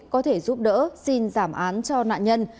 có thể giúp đỡ xin giảm án cho nạn nhân